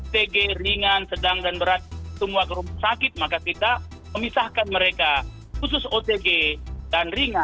tg ringan sedang dan berat semua ke rumah sakit maka kita memisahkan mereka khusus otg dan ringan